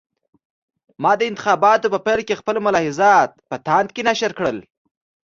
ما د انتخاباتو په پیل کې خپل ملاحضات په تاند کې نشر کړل.